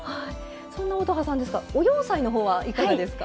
そんな乙葉さんですがお洋裁の方はいかがですか？